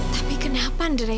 tapi kenapa andre